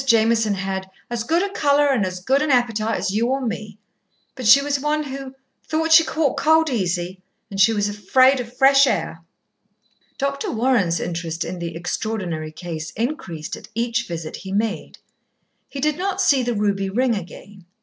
Jameson had "as good a colour and as good an appetite as you or me," but she was one who "thought she caught cold easy," and she was "afraid of fresh air." Dr. Warren's interest in the Extraordinary Case increased at each visit he made. He did not see the ruby ring again.